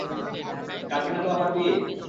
কালকে না তো আবার বিয়ে?